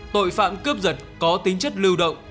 tội phạm cướp giật có tính chất lưu động